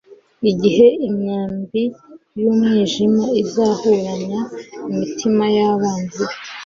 igihe imyambi yumujinya izahuranya imitima yabanzi be